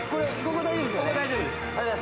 ここ大丈夫です。